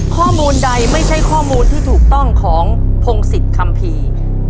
ข้อมูลใดไม่ใช่ข้อมูลที่ถูกต้องของพงศิษย์คัมภีร์